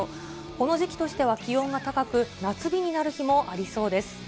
この時期としては気温が高く、夏日になる日もありそうです。